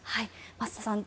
増田さん